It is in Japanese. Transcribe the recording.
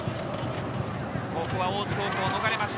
ここは大津高校、逃れました。